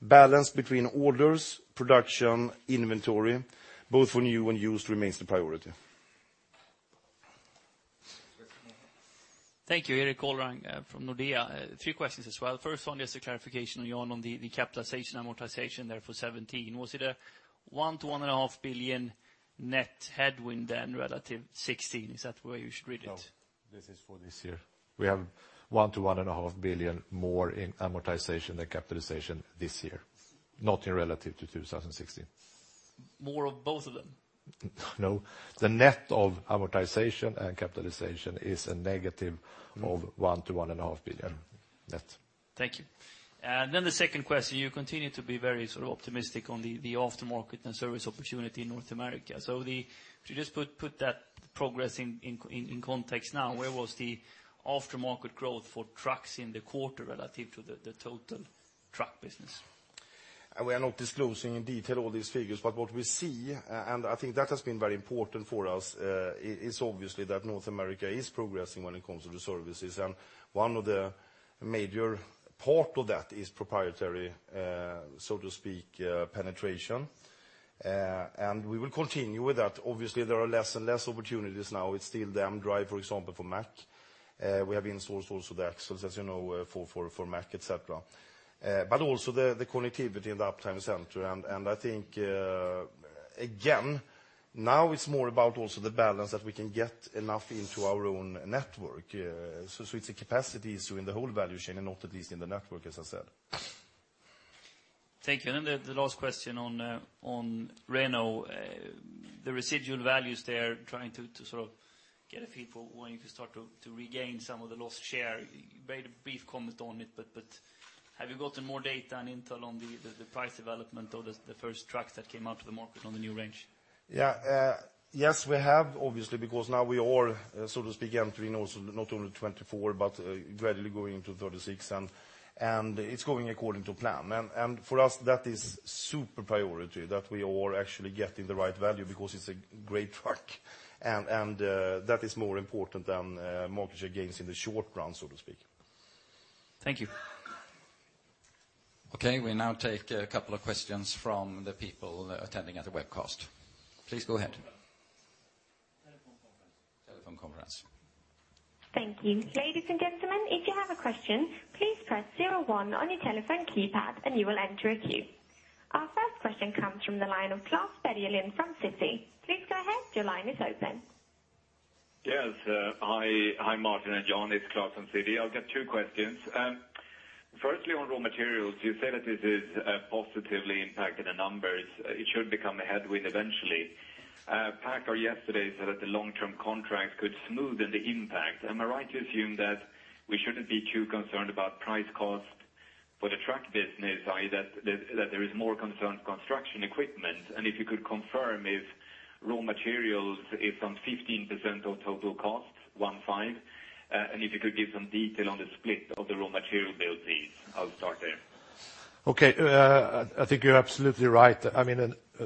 balance between orders, production, inventory, both for new and used remains the priority. Thank you. Erik Golrang from Nordea. Three questions as well. First one, just a clarification on the capitalization amortization there for 2017. Was it a 1 billion-1.5 billion net headwind then relative 2016? Is that the way you should read it? No. This is for this year. We have 1 billion-1.5 billion more in amortization than capitalization this year, not in relative to 2016. More of both of them? No. The net of amortization and capitalization is a negative of 1 billion-1.5 billion net. Thank you. The second question, you continue to be very optimistic on the aftermarket and service opportunity in North America. If you just put that progress in context now, where was the aftermarket growth for trucks in the quarter relative to the total truck business? We are not disclosing in detail all these figures, but what we see, and I think that has been very important for us, is obviously that North America is progressing when it comes to the services. One of the major part of that is proprietary penetration. We will continue with that. Obviously, there are less and less opportunities now. It's still the drive, for example, for Mack. We have in-sourced also the axles, as you know, for Mack, et cetera. Also the connectivity and the Uptime Center, I think, again, now it's more about also the balance that we can get enough into our own network. It's the capacities within the whole value chain and not at least in the network, as I said. Thank you. The last question on Renault, the residual values there, trying to get a feel for when you can start to regain some of the lost share. You made a brief comment on it, but have you gotten more data and intel on the price development of the first trucks that came out to the market on the new range? Yes, we have, obviously, because now we are, so to speak, entering also not only 2024, but gradually going into 2036, it's going according to plan. For us that is super priority that we are actually getting the right value because it's a great truck, that is more important than market share gains in the short run. Thank you. Okay, we now take a couple of questions from the people attending at the webcast. Please go ahead. Telephone conference. Telephone conference. Thank you. Ladies and gentlemen, if you have a question, please press zero one on your telephone keypad and you will enter a queue. Question comes from the line of Klas Bergelind from Citi. Please go ahead. Your line is open. Yes. Hi, Martin and Jan. It's Klas from Citi. I'll get two questions. Firstly, on raw materials, you say that this is positively impacting the numbers. It should become a headwind eventually. PACCAR yesterday said that the long-term contract could smoothen the impact. Am I right to assume that we shouldn't be too concerned about price cost for the truck business? That there is more concern in construction equipment, and if you could confirm if raw materials is some 15% of total cost, one, fine, and if you could give some detail on the split of the raw material build, please. I'll start there. Okay. I think you're absolutely right.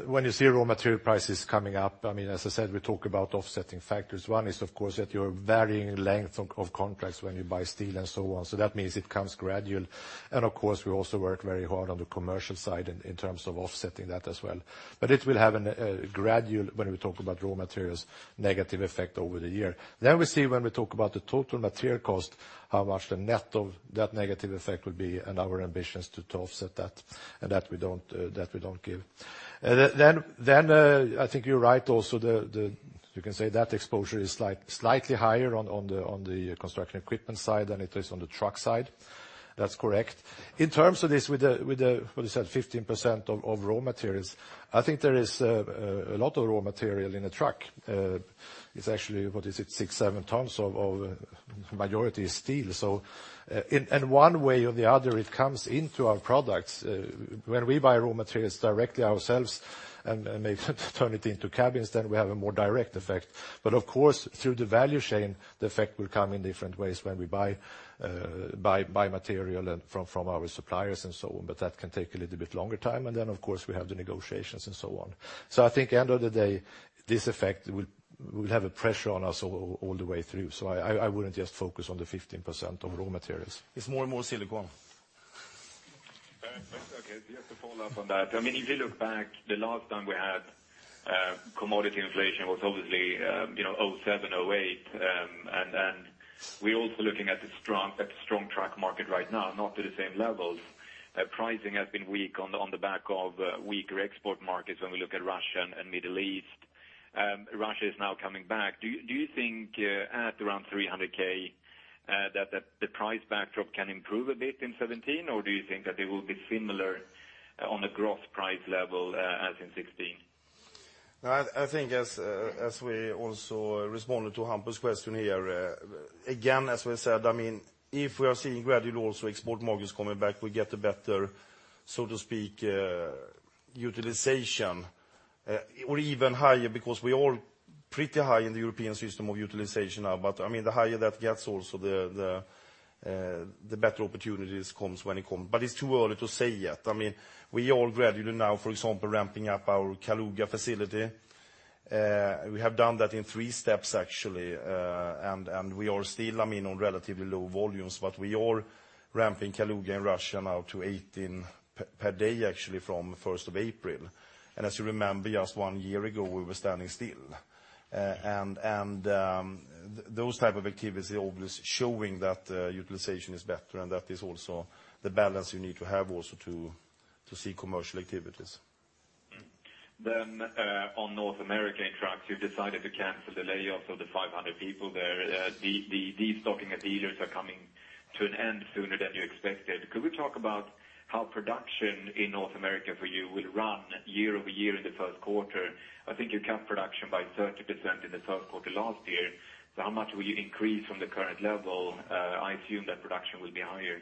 When you see raw material prices coming up, as I said, we talk about offsetting factors. One is, of course, that your varying length of contracts when you buy steel and so on. That means it comes gradual, and of course, we also work very hard on the commercial side in terms of offsetting that as well. It will have a gradual, when we talk about raw materials, negative effect over the year. We see when we talk about the total material cost, how much the net of that negative effect would be and our ambitions to offset that, and that we don't give. I think you're right also, you can say that exposure is slightly higher on the construction equipment side than it is on the truck side. That's correct. In terms of this, what you said, 15% of raw materials, I think there is a lot of raw material in a truck. It's actually, what is it? Six, seven tons, majority is steel. In one way or the other, it comes into our products. When we buy raw materials directly ourselves and maybe turn it into cabins, then we have a more direct effect. Of course, through the value chain, the effect will come in different ways when we buy material from our suppliers and so on, but that can take a little bit longer time, of course, we have the negotiations and so on. I think end of the day, this effect will have a pressure on us all the way through. I wouldn't just focus on the 15% of raw materials. It's more and more silicon. Okay. Just to follow up on that. If you look back, the last time we had commodity inflation was obviously 2007, 2008, and we're also looking at the strong truck market right now, not to the same levels. Pricing has been weak on the back of weaker export markets when we look at Russia and Middle East. Russia is now coming back. Do you think at around 300,000 that the price backdrop can improve a bit in 2017? Or do you think that it will be similar on the gross price level as in 2016? I think as we also responded to Hampus' question here, again, as we said, if we are seeing gradual also export markets coming back, we get a better, so to speak, utilization or even higher because we are pretty high in the European system of utilization now, but the higher that gets also the better opportunities comes when it comes. It's too early to say yet. We are gradually now, for example, ramping up our Kaluga facility. We have done that in three steps actually, and we are still on relatively low volumes, but we are ramping Kaluga in Russia now to 18 per day, actually, from 1st of April. As you remember, just one year ago, we were standing still. Those type of activities are obviously showing that utilization is better and that is also the balance you need to have also to see commercial activities. On North America in trucks, you decided to cancel the layoffs of the 500 people there. The de-stocking at dealers are coming to an end sooner than you expected. Could we talk about how production in North America for you will run year-over-year in the first quarter? I think you cut production by 30% in the third quarter last year. How much will you increase from the current level? I assume that production will be higher.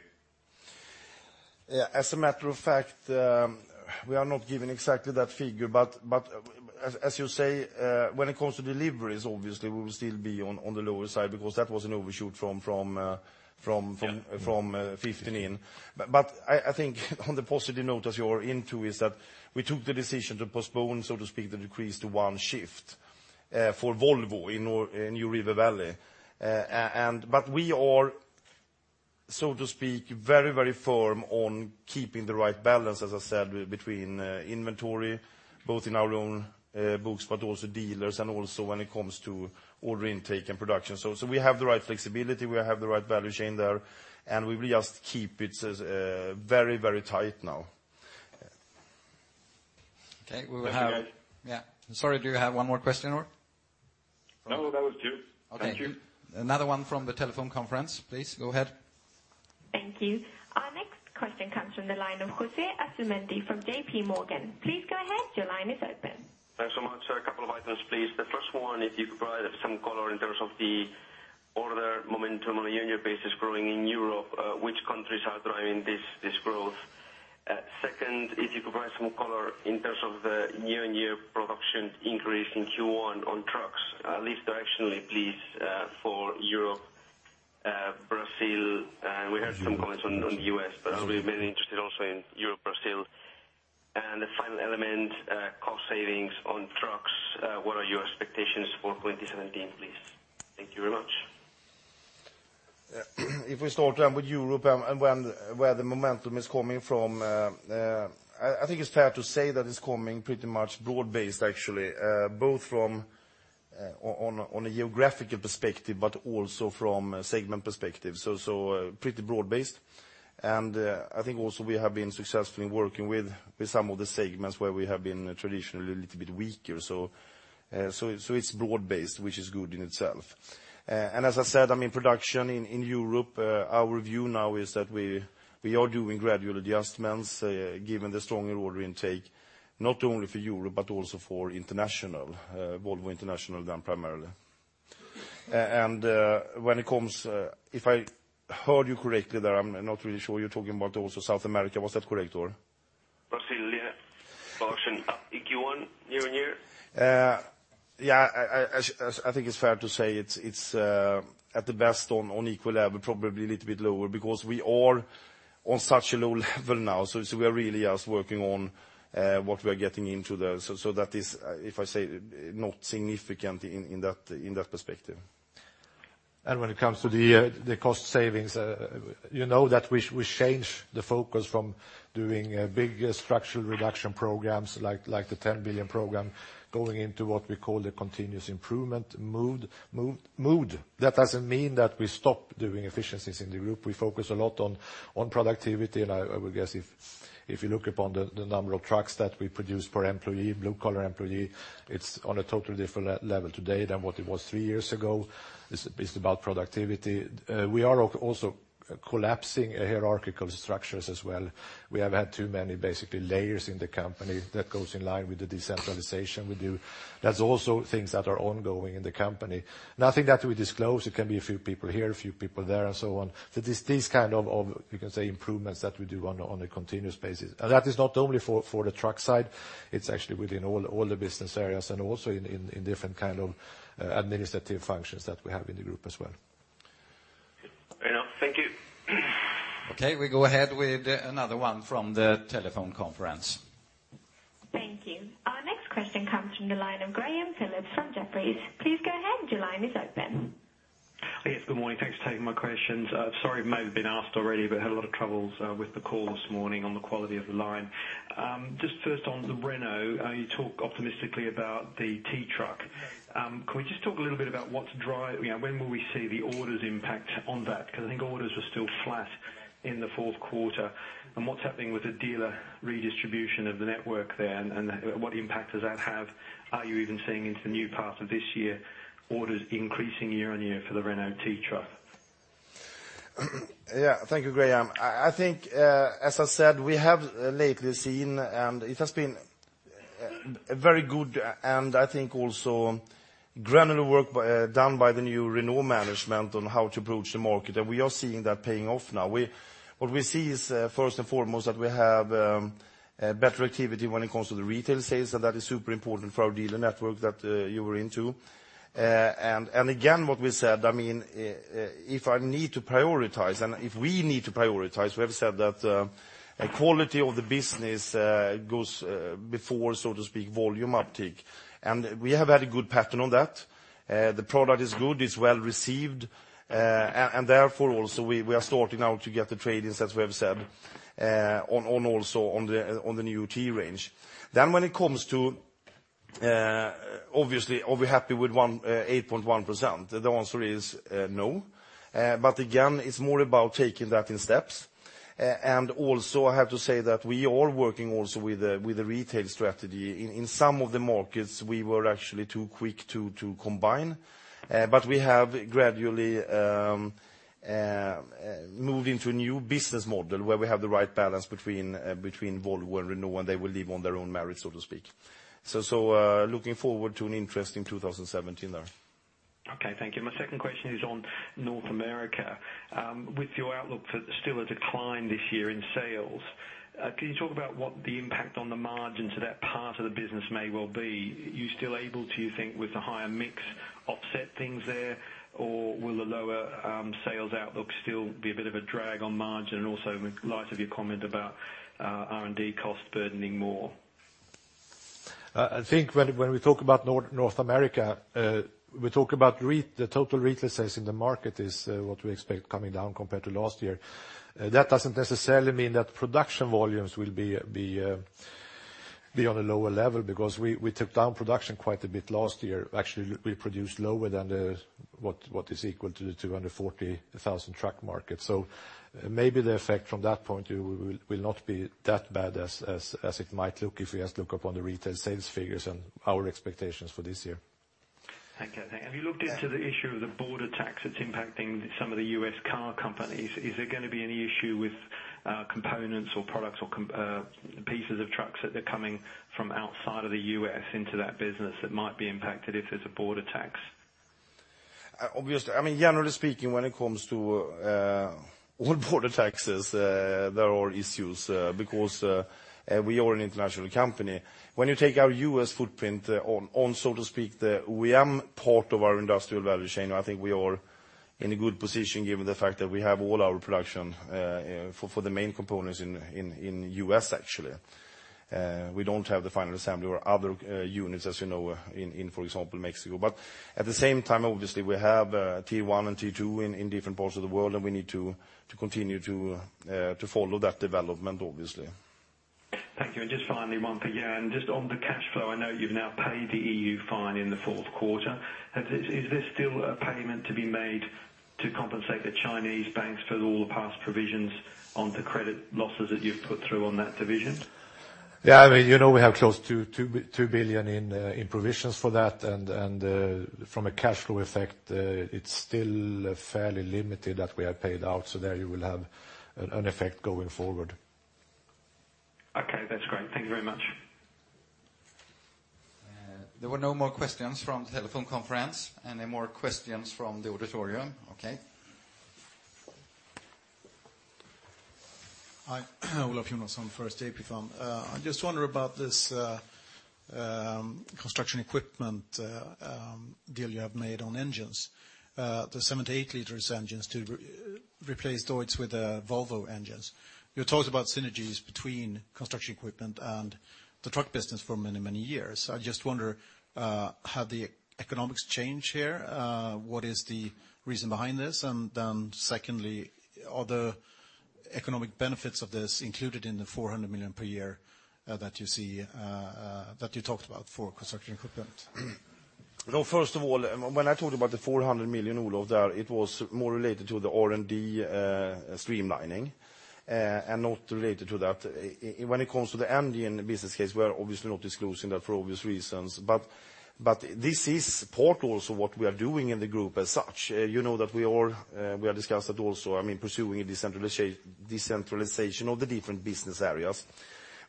Yeah. As a matter of fact, we are not given exactly that figure, but as you say, when it comes to deliveries, obviously, we will still be on the lower side because that was an overshoot from 2015 in. I think on the positive note, as you are into, is that we took the decision to postpone, so to speak, the decrease to one shift for Volvo in New River Valley. We are, so to speak, very firm on keeping the right balance, as I said, between inventory, both in our own books, but also dealers and also when it comes to order intake and production. We have the right flexibility, we have the right value chain there, and we will just keep it very tight now. Okay. We will Thank you. Yeah. Sorry, do you have one more question, or? No, that was two. Okay. Thank you. Another one from the telephone conference, please go ahead. Thank you. Our next question comes from the line of José Asumendi from J.P. Morgan. Please go ahead. Your line is open. Thanks so much, sir. A couple of items, please. The first one, if you could provide some color in terms of the order momentum on a year-on-year basis growing in Europe, which countries are driving this growth? Second, if you could provide some color in terms of the year-on-year production increase in Q1 on trucks, at least directionally, please, for Europe, Brazil. We heard some comments on U.S., but I'll be very interested also in Europe, Brazil. The final element, cost savings on trucks, what are your expectations for 2017, please? Thank you very much. If we start then with Europe and where the momentum is coming from, I think it's fair to say that it's coming pretty much broad-based actually both from On a geographical perspective, but also from a segment perspective. Pretty broad-based. I think also we have been successfully working with some of the segments where we have been traditionally a little bit weaker. It's broad-based, which is good in itself. As I said, production in Europe, our view now is that we are doing gradual adjustments given the stronger order intake, not only for Europe, but also for international, Volvo International then primarily. If I heard you correctly there, I'm not really sure you're talking about also South America, was that correct or? Brazil, yeah. Production up Q1 year-on-year? Yeah. I think it's fair to say it's at the best on equal level, probably a little bit lower because we are on such a low level now. We are really just working on what we are getting into there. That is, if I say not significant in that perspective. When it comes to the cost savings, you know that we change the focus from doing big structural reduction programs like the 10 billion program going into what we call the continuous improvement mode. That doesn't mean that we stop doing efficiencies in the group. We focus a lot on productivity, and I would guess if you look upon the number of trucks that we produce per employee, blue-collar employee, it's on a totally different level today than what it was three years ago. It's about productivity. We are also collapsing hierarchical structures as well. We have had too many basically layers in the company that goes in line with the decentralization we do. That's also things that are ongoing in the company. Nothing that we disclose, it can be a few people here, a few people there and so on. These kinds of, you can say improvements that we do on a continuous basis. That is not only for the truck side, it's actually within all the business areas and also in different kind of administrative functions that we have in the group as well. Fair enough. Thank you. Okay, we go ahead with another one from the telephone conference. Thank you. Our next question comes from the line of Graham Phillips from Jefferies. Please go ahead, your line is open. Yes, good morning. Thanks for taking my questions. Sorry, it may have been asked already, but had a lot of troubles with the call this morning on the quality of the line. First on the Renault, you talk optimistically about the T truck. Can we just talk a little bit about when will we see the orders impact on that? I think orders are still flat in the fourth quarter. What's happening with the dealer redistribution of the network there, and what impact does that have? Are you even seeing into the new part of this year, orders increasing year-on-year for the Renault T truck? Yeah. Thank you, Graham. I think, as I said, we have lately seen, and it has been very good, and I think also granular work done by the new Renault management on how to approach the market, and we are seeing that paying off now. What we see is first and foremost, that we have better activity when it comes to the retail sales, and that is super important for our dealer network that you were into. Again, what we said, if I need to prioritize and if we need to prioritize, we have said that quality of the business goes before, so to speak, volume uptick. We have had a good pattern on that. The product is good, it's well-received, and therefore also we are starting now to get the trade-ins, as we have said, on also on the new T range. When it comes to, obviously, are we happy with 8.1%? The answer is no. Again, it's more about taking that in steps. Also, I have to say that we are working also with a retail strategy. In some of the markets, we were actually too quick to combine. We have gradually moved into a new business model where we have the right balance between Volvo and Renault, and they will live on their own merits, so to speak. Looking forward to an interesting 2017 there. Okay, thank you. My second question is on North America. With your outlook for still a decline this year in sales, can you talk about what the impact on the margins of that part of the business may well be? You still able to, you think, with the higher mix offset things there, or will the lower sales outlook still be a bit of a drag on margin? Also in light of your comment about R&D cost burdening more. I think when we talk about North America, we talk about the total retail sales in the market is what we expect coming down compared to last year. That doesn't necessarily mean that production volumes will be on a lower level because we took down production quite a bit last year. Actually, we produced lower than what is equal to the 240,000 truck market. Maybe the effect from that point will not be that bad as it might look if we just look upon the retail sales figures and our expectations for this year. Okay, thank you. Have you looked into the issue of the border tax that's impacting some of the U.S. car companies? Is there going to be any issue with components or products or pieces of trucks that are coming from outside of the U.S. into that business that might be impacted if there's a border tax? Obviously, generally speaking, when it comes to all border taxes there are issues, because we are an international company. When you take our U.S. footprint on, so to speak, we are part of our industrial value chain. I think we are in a good position given the fact that we have all our production for the main components in U.S., actually. We don't have the final assembly or other units, as you know, in, for example, Mexico. At the same time, obviously, we have tier 1 and tier 2 in different parts of the world, and we need to continue to follow that development, obviously. Thank you. Just finally, one for Jan. Just on the cash flow, I know you've now paid the EU fine in the fourth quarter. Is there still a payment to be made to compensate the Chinese banks for all the past provisions onto credit losses that you've put through on that division? Yeah. We have close to $2 billion in provisions for that. From a cash flow effect, it's still fairly limited that we have paid out. There you will have an effect going forward. Okay. That's great. Thank you very much. There were no more questions from telephone conference. Any more questions from the auditorium? Okay. Olof Jonasson from Första AP-fonden. I just wonder about this construction equipment deal you have made on engines, the 78-liter engines to replace Deutz with Volvo engines. You talked about synergies between construction equipment and the truck business for many, many years. I just wonder, have the economics changed here? What is the reason behind this? Secondly, are the economic benefits of this included in the 400 million per year that you talked about for construction equipment? First of all, when I talked about the 400 million, Olof, there it was more related to the R&D streamlining, and not related to that. When it comes to the engine business case, we're obviously not disclosing that for obvious reasons. This is part also what we are doing in the group as such. You know that we are discussing also pursuing a decentralization of the different business areas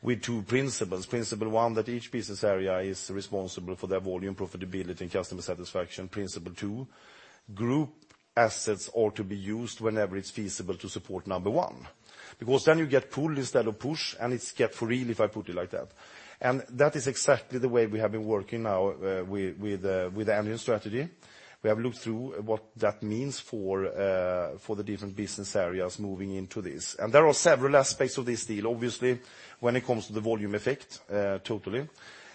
with two principles. Principle one, that each business area is responsible for their volume, profitability, and customer satisfaction. Principle two, group assets are to be used whenever it's feasible to support number one. Then you get pull instead of push, and it's get for real, if I put it like that. That is exactly the way we have been working now with the engine strategy. We have looked through what that means for the different business areas moving into this. There are several aspects of this deal. Obviously, when it comes to the volume effect, totally.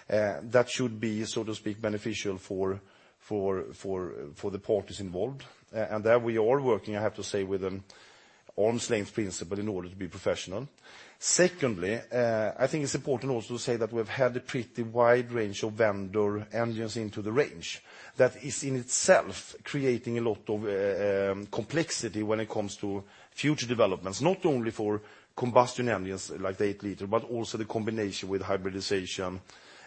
That should be, so to speak, beneficial for the parties involved. There we are working, I have to say, with an arm's length principle in order to be professional. Secondly, I think it's important also to say that we've had a pretty wide range of vendor engines into the range. That is in itself creating a lot of complexity when it comes to future developments, not only for combustion engines like the 8-liter, but also the combination with hybridization,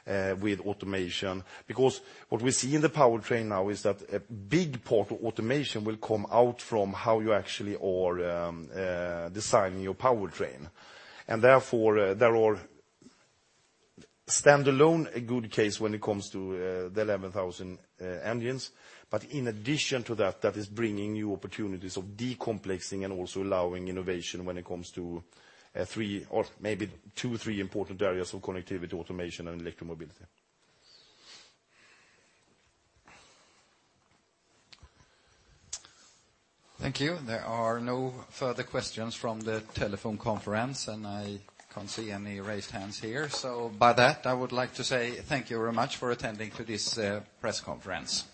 with automation. What we see in the powertrain now is that a big part of automation will come out from how you actually are designing your powertrain. Therefore, they're all standalone a good case when it comes to the 11,000 engines. In addition to that is bringing new opportunities of decomplexing and also allowing innovation when it comes to three or maybe two, three important areas of connectivity, automation, and electromobility. Thank you. There are no further questions from the telephone conference, and I can't see any raised hands here. By that, I would like to say thank you very much for attending to this press conference.